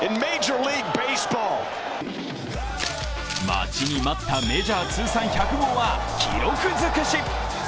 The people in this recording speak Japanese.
待ちに待った、メジャー通算１００号は記録尽くし。